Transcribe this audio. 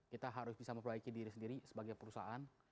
kita harus bisa memperbaiki diri sendiri sebagai perusahaan